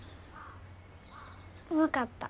分かった。